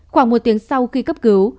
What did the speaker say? khoảng một tiếng sau khi cấp cứu